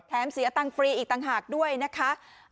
เสียตังค์ฟรีอีกต่างหากด้วยนะคะ